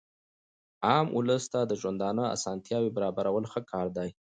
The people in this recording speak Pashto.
عام اولس ته د ژوندانه اسانتیاوي برابرول ښه کار دئ.